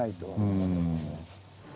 うん。